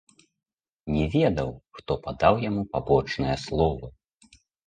Не ведаў, хто падаў яму пабочныя словы.